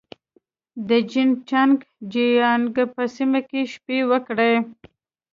د جين چنګ جيانګ په سیمه کې شپې وکړې.